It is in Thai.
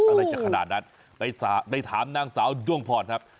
อะไรจะขนาดนั้นไปถามนางสาวด้วงพรครับ